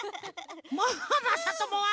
もうまさともは。